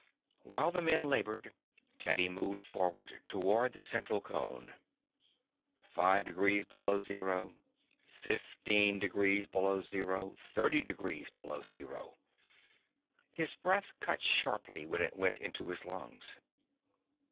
While the men labored, Teddy moved forward toward the central cone. Five degrees below zero, fifteen degrees below zero, thirty degrees below zero His breath cut sharply when it went into his lungs.